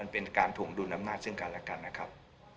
เป็นการผงดูดอำนาจซึ่งการรักษณ์นะครับ